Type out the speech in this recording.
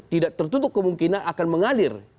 tidak tertutup kemungkinan akan mengalir